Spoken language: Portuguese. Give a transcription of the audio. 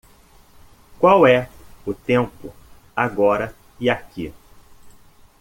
Qual é o tempo agora e aqui?